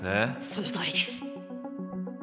そのとおりです。